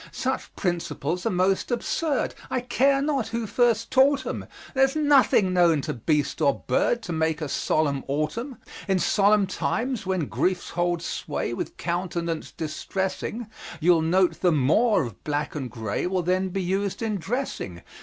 Such principles are most absurd, I care not who first taught 'em; There's nothing known to beast or bird To make a solemn autumn. In solemn times, when grief holds sway With countenance distressing, You'll note the more of black and gray Will then be used in dressing.